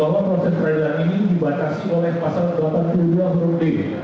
bahwa proses peradilan ini dibatasi oleh pasal delapan puluh dua huruf d